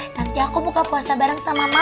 nanti aku buka puasa bareng sama mom yups